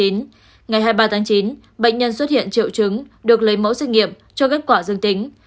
ngày hai mươi ba tháng chín bệnh nhân xuất hiện triệu chứng được lấy mẫu xét nghiệm cho kết quả dương tính